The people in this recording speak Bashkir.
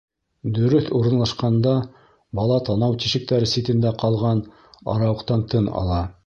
Дөрөҫ урынлашҡанда, бала танау тишектәре ситендә ҡалған арауыҡтан тын ала.